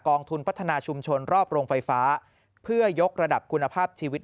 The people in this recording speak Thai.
ทุนพัฒนาชุมชนรอบโรงไฟฟ้าเพื่อยกระดับคุณภาพชีวิต